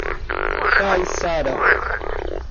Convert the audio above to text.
Caiçara